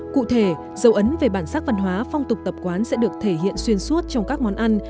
cụ thể dấu ấn về bản sắc văn hóa phong tục tập quán sẽ được thể hiện xuyên suốt trong các món ăn